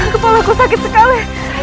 kepalaku sakit sekali